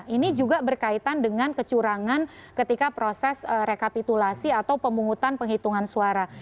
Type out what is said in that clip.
ini juga berkaitan dengan kecurangan ketika proses rekapitulasi atau pemungutan penghitungan suara